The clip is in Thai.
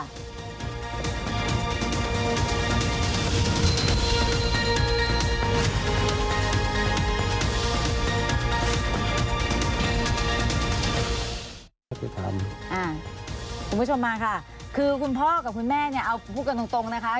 คุณผู้ชมมาค่ะคือคุณพ่อกับคุณแม่เนี่ยเอาพูดกันตรงนะคะ